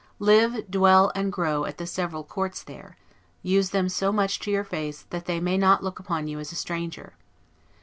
Live, dwell, and grow at the several courts there; use them so much to your face, that they may not look upon you as a stranger.